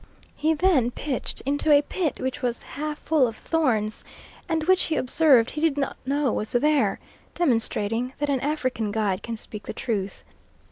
He then pitched into a pit which was half full of thorns, and which he observed he did not know was there, demonstrating that an African guide can speak the truth.